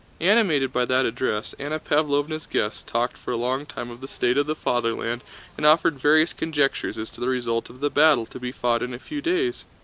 Animated by that address Anna Pávlovna's guests talked for a long time of the state of the fatherland and offered various conjectures as to the result of the battle to be fought in a few days.